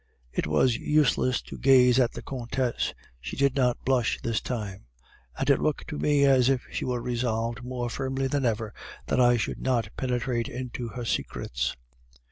"It was useless to gaze at the Countess; she did not blush this time, and it looked to me as if she were resolved more firmly than ever that I should not penetrate into her secrets.